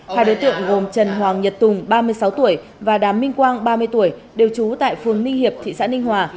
hai đối tượng gồm trần hoàng nhật tùng ba mươi sáu tuổi và đám minh quang ba mươi tuổi đều trú tại phường ninh hiệp thị xã ninh hòa